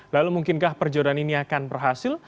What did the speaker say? lalu mungkinkah perjodohan ini akan berhasil